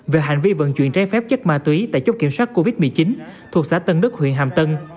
về hành vi vận chuyển trái phép chất ma túy tại chốt kiểm soát covid một mươi chín thuộc xã tân đức huyện hàm tân